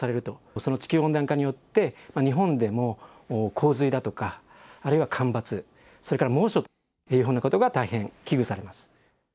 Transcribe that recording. その地球温暖化によって、日本でも洪水だとか、あるいは干ばつ、それから猛暑というふうなこと、大変危惧されます。